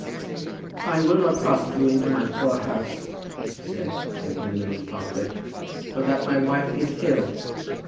"I will not ask you into my poor house," he said, standing in the middle of the pathway; "for that my wife is ill."